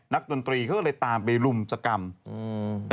ดนตรีเขาก็เลยตามไปรุมสกรรมอืม